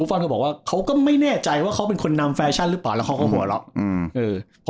ก็บอกว่าเขาก็ไม่แน่ใจว่าเขาเป็นคนนำแฟชั่นหรือเปล่าแล้วเขาก็หัวหลอกอืมเออ